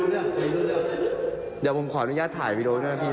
เดี๋ยวผมขออนุญาตถ่ายวีดีโอด้วยนะพี่